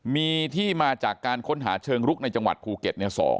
มีที่มาจากการค้นหาเชิงรุกในจังหวัดภูเก็ต๒